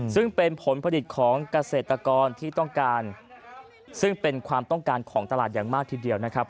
ซึ่งเป็นผลผลิตของเกษตรกรที่ต้องการซึ่งเป็นความต้องการของตลาดอย่างมากทีเดียวนะครับ